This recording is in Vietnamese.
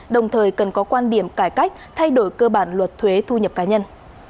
đồng thời cần có quan điểm cải cách thay đổi cơ bản luật thuế thu nhập cá nhân